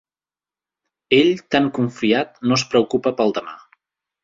Ell, tan confiat, no es preocupa pel demà.